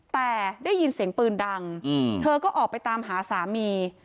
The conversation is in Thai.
แต่ได้ยินเสียงปืนดังเธอก็ออกไปตามหาสามี